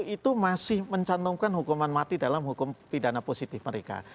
tiga puluh satu itu masih mencantumkan hukuman mati dalam hukum pidana positif mereka